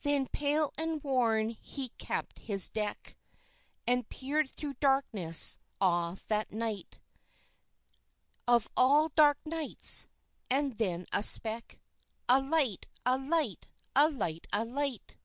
_ _Then pale and worn, he kept his deck, And peered through darkness. Ah, that night Of all dark nights! And then a speck A light! A light! A light! A light!